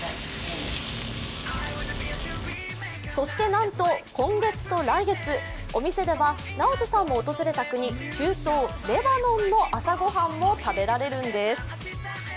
そしてなんと、今月と来月、お店ではナオトさんも訪れた国、中東レバノンの朝ごはんも食べられるんです。